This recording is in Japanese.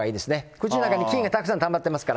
口の中に菌がたくさんたまっていますから。